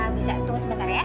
bisa tunggu sebentar ya